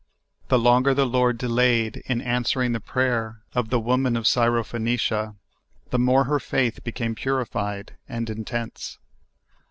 The longer the L<ord delayed in answering the pra3^er of the woman of Syrophoenicia, the more her faith became purified and intense.